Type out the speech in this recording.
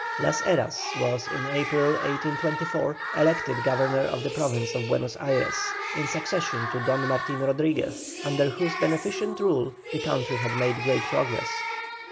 LAS HERAS was in April, 1824, elected Governor of the Province of Buenos Ayres, in succession to Don Martin Rodriguez, under whose beneficent rule the country had made great progress.